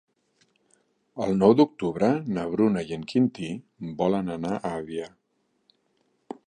El nou d'octubre na Bruna i en Quintí volen anar a Avià.